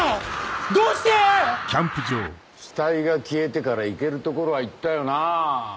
どうして⁉死体が消えてから行ける所は行ったよな。